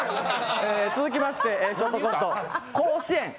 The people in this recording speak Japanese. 続きましてショートコント甲子園。